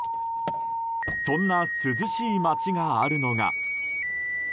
そんな涼しい町があるのが。